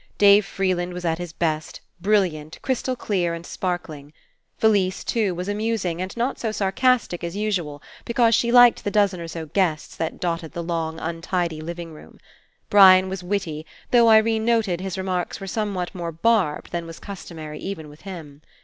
Dave Freeland was at his best, brilliant, crystal clear, and sparkling. Felise, too, was amusing, and not so sarcastic as usual, because she liked the dozen or so guests that dotted the long, untidy living room. Brian was witty, though, Irene noted, his remarks were some what more barbed than was customary even with him.